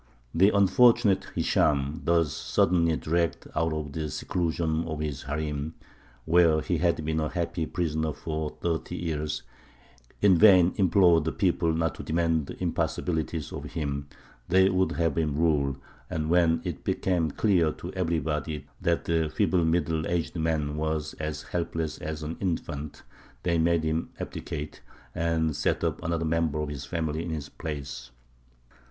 The unfortunate Hishām, thus suddenly dragged out of the seclusion of his harīm, where he had been a happy prisoner for thirty years, in vain implored the people not to demand impossibilities of him; they would have him rule, and when it became clear to everybody that the feeble middle aged man was as helpless as an infant, they made him abdicate, and set up another member of his family in his place.